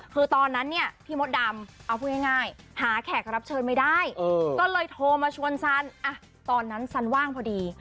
คือตอนนั้นเนี่ยพี่มดดำเอาพูดง่ายหาแขกรับเชิญไม่ได้ก็เลยโทรมาชวนซันตอนนั้นซันว่างพอดี